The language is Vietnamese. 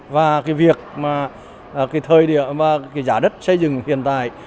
và việc giá đất xây dựng hiện tại